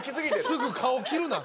すぐ顔切るな。